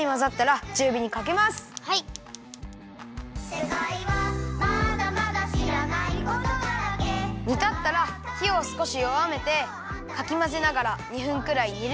「せかいはまだまだしらないことだらけ」にたったらひをすこしよわめてかきまぜながら２分くらいにるよ。